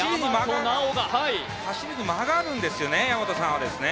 走りに間があるんですよね、大和さんは。